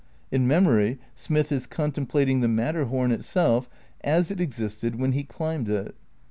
In memory Smith is contemplating the Matterhom itself as it existed when he dimbed it.